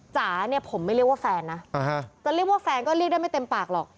จ๋าเนี่ยผมไม่เรียกว่าแฟนนะจะเรียกว่าแฟนก็เรียกได้ไม่เต็มปากหรอก